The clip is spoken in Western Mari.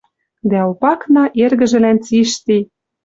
Дӓ Опакна эргӹжӹлӓн цишти